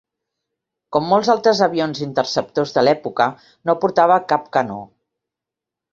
Com molts altres avions interceptors de l'època, no portava cap canó.